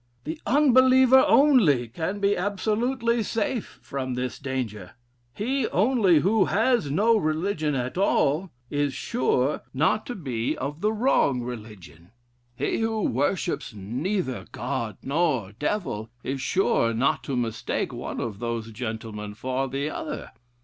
The unbeliever only can be absolutely safe from this danger. He only who has no religion at all, is sure not to be of the wrong religion. He who worships neither God nor Devil, is sure not to mistake one of those gentlemen for the other.